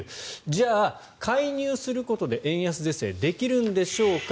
じゃあ、介入することで円安是正できるんでしょうか。